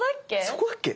そこだっけ？